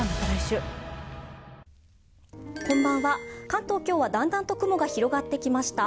関東、今日はだんだんと雲が広がってきました。